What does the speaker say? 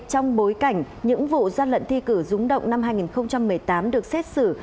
trong bối cảnh những vụ gian lận thi cử rúng động năm hai nghìn một mươi tám được xét xử